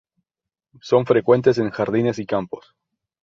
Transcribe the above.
Son frecuentes en jardines y campos.